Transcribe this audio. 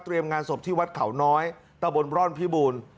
งานศพที่วัดเขาน้อยตะบนร่อนพิบูรณ์